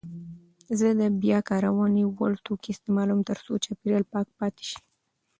زه د بیاکارونې وړ توکي استعمالوم ترڅو چاپیریال پاک پاتې شي.